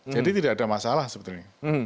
jadi tidak ada masalah sebetulnya